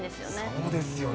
そうですよね。